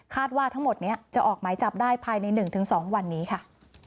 ว่าทั้งหมดนี้จะออกหมายจับได้ภายใน๑๒วันนี้ค่ะ